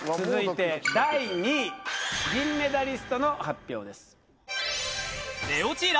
続いて第２位銀メダリストの発表です